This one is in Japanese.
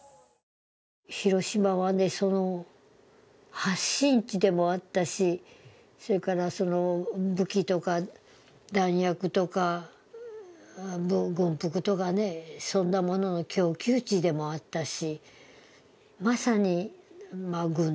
広島は発進地でもあったしそれから武器とか弾薬とか、軍服とかそんなものの供給地でもあったし。